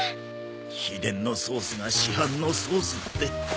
秘伝のソースが市販のソースって。